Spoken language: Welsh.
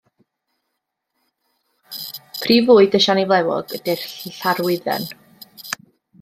Prif fwyd y siani flewog ydy'r llarwydden.